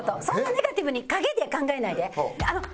そんなネガティブに影で考えないで。